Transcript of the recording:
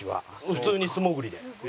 普通に素潜りで。